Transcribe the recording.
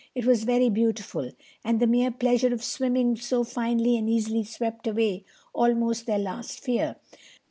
It was very beautiful, and the mere pleasure of swimming so finely and easily swept away almost their last fear.